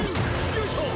よいしょー！